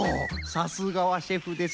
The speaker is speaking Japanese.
さすがはシェフですよ。